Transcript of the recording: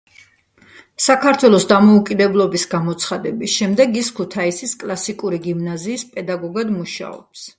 საქართველოს დამოუკიდებლობის გამოცხადების შემდეგ ის ქუთაისის კლასიკური გიმნაზიის პედაგოგად მუშაობს.